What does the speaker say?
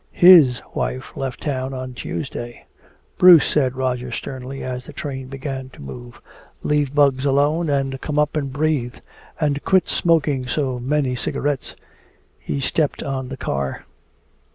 His wife left town on Tuesday." "Bruce," said Roger sternly, as the train began to move, "leave bugs alone and come up and breathe! And quit smoking so many cigarettes!" He stepped on the car.